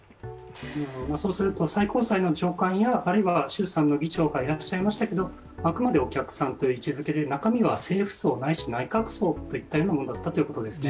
そうすると最高裁の長官やあるいは衆参の議長がいらっしゃいましたけれども、あくまでお客さんという位置づけで中身は政府葬、あるいは内閣葬っていうようなものだったということですね。